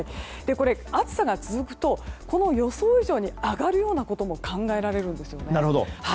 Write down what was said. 暑さが続くとこの予想以上に上がることも考えられるんですよね。